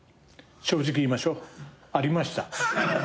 正直に言いましょう。ありました。